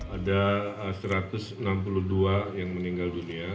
ada satu ratus enam puluh dua yang meninggal dunia